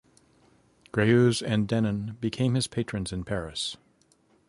Greuze and Denon became his patrons in Paris.